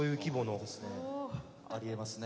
おお。ありえますね。